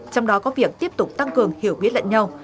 trong đó có việc tiếp tục tăng cường hiểu biết lận nhau